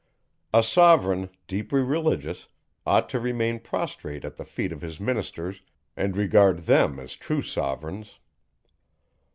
A sovereign, deeply religious, ought to remain prostrate at the feet of his ministers, and regard them as true sovereigns.